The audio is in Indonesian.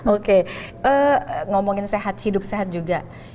oke ngomongin sehat hidup sehat juga